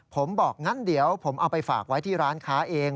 ผมบอกงั้นเดี๋ยวผมเอาไปฝากไว้ที่ร้านค้าเอง